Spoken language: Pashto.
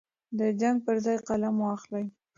د جنګ پر ځای قلم واخلئ.